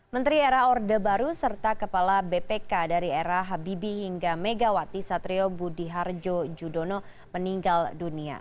menteri era orde baru serta kepala bpk dari era habibi hingga megawati satrio budi harjo judono meninggal dunia